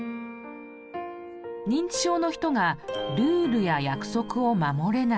認知症の人がルールや約束を守れない。